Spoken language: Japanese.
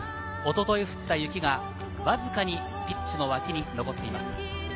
一昨日、降った雪がわずかにピッチの脇に残っています。